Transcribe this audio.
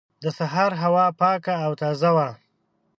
د سهار هوا پاکه او تازه وه.